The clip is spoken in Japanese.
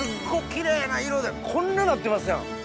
キレイな色でこんななってますやん！